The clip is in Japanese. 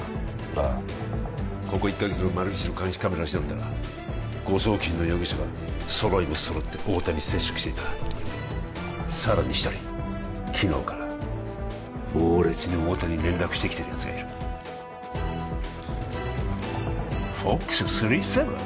ああここ１カ月の丸菱の監視カメラを調べたら誤送金の容疑者が揃いも揃って太田に接触していたさらに１人昨日から猛烈に太田に連絡してきてるやつがいる「ｆｏｘ．７７７」？